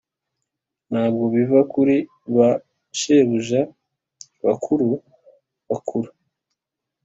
ntabwo biva kuri ba shebuja bakuru bakuru,